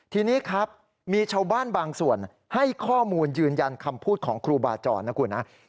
ทีนี้ครับมีชาวบ้านบางส่วนให้ข้อมูลยืนยันคำพูดของครูบาจรนะคุณนะ